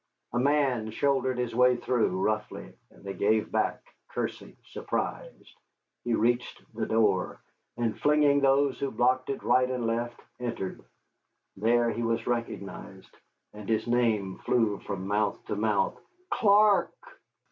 A man shouldered his way through, roughly, and they gave back, cursing, surprised. He reached the door, and, flinging those who blocked it right and left, entered. There he was recognized, and his name flew from mouth to mouth. "Clark!"